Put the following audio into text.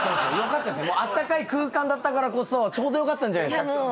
あったかい空間だったからこそちょうどよかったんじゃないですか？